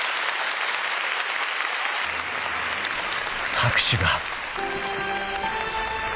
［拍手が］